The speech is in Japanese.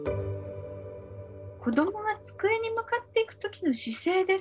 子どもが机に向かっていく時の姿勢ですね。